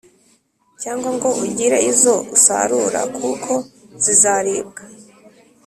cyangwa ngo ugire izo usarura,+ kuko zizaribwa